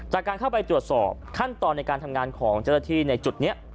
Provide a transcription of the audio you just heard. จากการเข้าไปตรวจสอบขั้นตอนในการทำงานของเจ้าหน้าที่ในจุดนี้